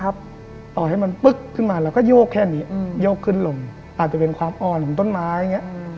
ต่อให้มันปึ๊กขึ้นมาเราก็โยกแค่นี้โยกขึ้นลมอาจจะเป็นความอ่อนของต้นไม้อย่างนี้